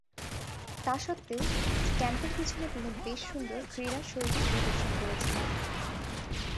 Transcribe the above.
তাসত্ত্বেও, স্ট্যাম্পের পিছনে তিনি বেশ সুন্দর ক্রীড়াশৈলী প্রদর্শন করছিলেন।